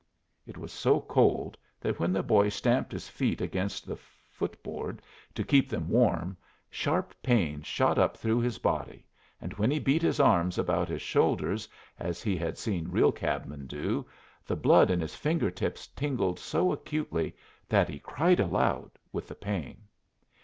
It was so cold that when the boy stamped his feet against the footboard to keep them warm, sharp pains shot up through his body, and when he beat his arms about his shoulders, as he had seen real cabmen do, the blood in his finger tips tingled so acutely that he cried aloud with the pain.